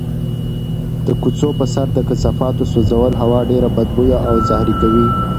د کوڅو په سر د کثافاتو سوځول هوا ډېره بدبویه او زهري کوي.